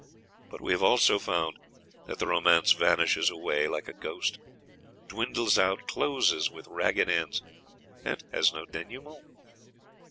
But we have also found that the romance vanishes away like a ghost, dwindles out, closes with ragged ends, has no denouement.